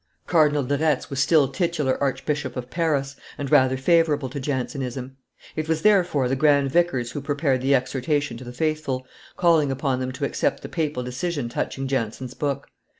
Cardinal de Retz was still titular Archbishop of Paris, and rather favorable to Jansenism. It was, therefore, the grandvicars who prepared the exhortation to the faithful, calling upon them to accept the papal decision touching Jansen's book.